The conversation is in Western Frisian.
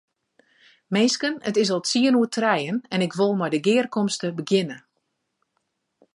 Minsken, it is al tsien oer trijen en ik wol mei de gearkomste begjinne.